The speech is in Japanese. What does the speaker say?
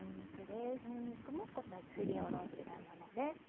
すりおろしたものです。